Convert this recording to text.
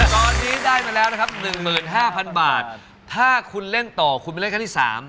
ตอนนี้ได้มาแล้วนะครับหนึ่งหมื่นห้าพันบาทถ้าคุณเล่นต่อคุณไปเล่นขั้นที่สาม